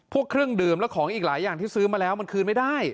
เครื่องดื่มและของอีกหลายอย่างที่ซื้อมาแล้วมันคืนไม่ได้